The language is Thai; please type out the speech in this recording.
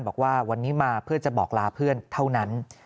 บอกว่าวันนี้มาเพื่อจะบอกลาเพื่อนเท่านั้น